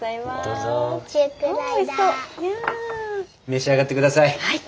召し上がって下さい。